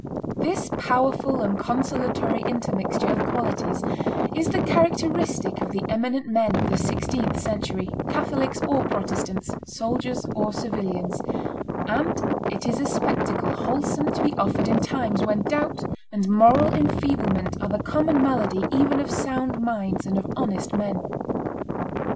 This powerful and consolatory intermixture of qualities is the characteristic of the eminent men of the sixteenth century, Catholics or Protestants, soldiers or civilians; and it is a spectacle wholesome to be offered in times when doubt and moral enfeeblement are the common malady even of sound minds and of honest men.